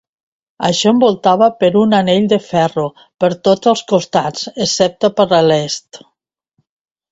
Això envoltava per un anell de ferro per tots els costats excepte per l'Est.